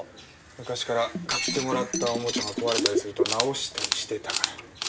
昔から買ってもらったおもちゃが壊れたりすると直したりしてたから。